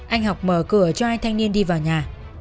anh học mở cửa cho hai thanh niên đến nhà